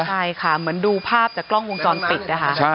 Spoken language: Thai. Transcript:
ใช่ค่ะเหมือนดูภาพจากกล้องวงจรปิดนะคะ